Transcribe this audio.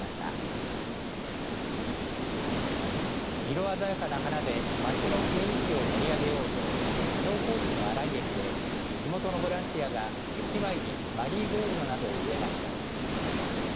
色鮮やかな花で街の雰囲気を盛り上げようと妙高市の新井駅で地元のボランティアが駅前にマリーゴールドなどを植えました。